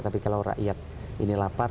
tapi kalau rakyat ini lapar